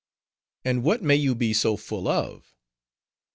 "And what may you be so full of?"